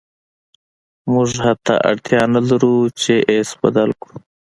موږ حتی اړتیا نلرو چې ایس بدل کړو